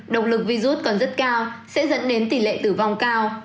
động lực virus còn rất cao sẽ dẫn đến tỷ lệ tử vong cao